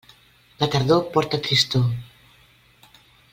La tardor porta tristor.